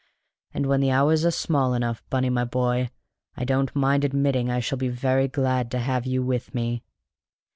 And when the hours are small enough, Bunny, my boy, I don't mind admitting I shall be very glad to have you with me."